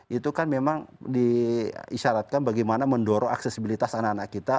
itu kan memang diisyaratkan bagaimana mendorong aksesibilitas anak anak kita